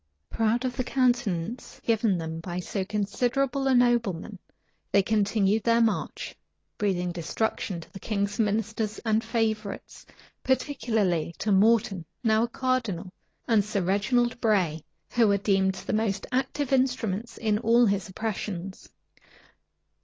Proud of the countenance given them by so considerable a nobleman, they continued their march, breathing destruction to the king's ministers and favorites, particularly to Morton, now a cardinal, and Sir Reginald Bray, who were deemed the most active instruments in all his oppressions.